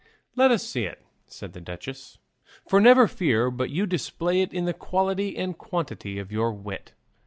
"Let us see it," said the duchess, "for never fear but you display in it the quality and quantity of your wit."